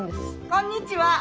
・こんにちは！